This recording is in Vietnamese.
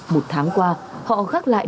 một tháng qua họ gác lại